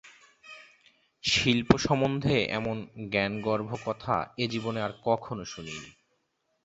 শিল্পসম্বন্ধে এমন জ্ঞানগর্ভ কথা এ জীবনে আর কখনও শুনিনি।